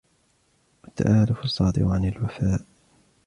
وَالتَّأَلُّفُ الصَّادِرُ عَنْ الْوَفَاءِ